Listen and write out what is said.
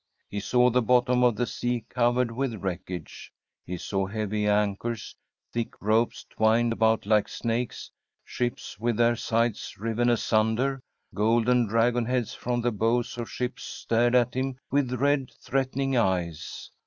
He saw the bottom of the sea covered with wreckage. He saw heavy anchors, thick ropes twined about like snakes, ships with their sides riven asunder; golden dragon heads from the bows of ships stared at him with red, threaten ing eyes.